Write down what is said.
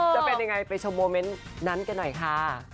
จะเป็นยังไงไปชมโมเมนต์นั้นกันหน่อยค่ะ